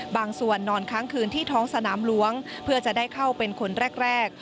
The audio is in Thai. บางส่วนนอนค้างคืนที่ท้องสนามหลวงเพื่อจะได้เข้าเป็นคนแรก